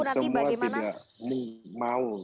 nanti bagaimana semua tidak mau